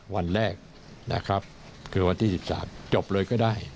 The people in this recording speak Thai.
วันแรกนะครับคือวันที่๑๓จบเลยก็ได้